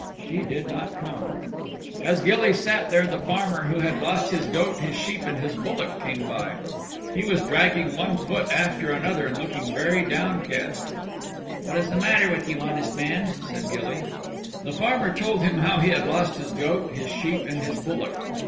She did not come. As Gilly sat there the farmer who had lost his goat, his sheep and his bullock came by. He was dragging one foot after the other and looking very downcast. "What is the matter with you, honest man?" said Gilly. The farmer told him how he had lost his goat, his sheep and his bullock.